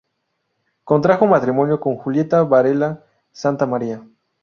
Contrajo matrimonio con Julieta Varela Santa María.